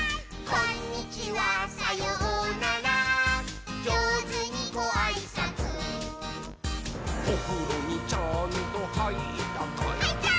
「こんにちはさようならじょうずにごあいさつ」「おふろにちゃんとはいったかい？」はいったー！